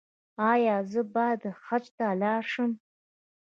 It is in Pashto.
ایا زه باید حج ته لاړ شم؟